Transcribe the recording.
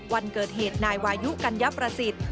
วันเกิดเหตุนายวายุกัญญประสิทธิ์